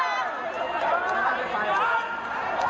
ลองไปดูเหตุการณ์ความชื่อระมวลที่เกิดอะไร